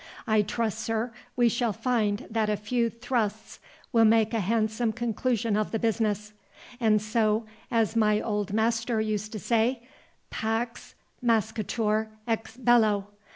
I trust, sir, we shall find that a few thrusts will make a handsome conclusion of the business; and so, as my old master used to say, Pax mascitur ex bello.